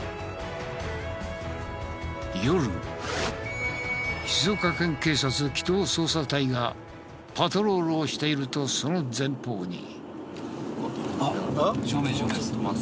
夜静岡県警察機動捜査隊がパトロールをしているとその前方に。